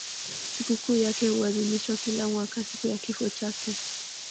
Sikukuu yake huadhimishwa kila mwaka siku ya kifo chake.